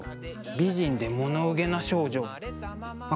美人で物憂げな少女まあ